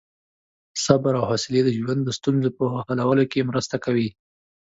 صبر او حوصلې د ژوند د ستونزو په حلولو کې مرسته کوي.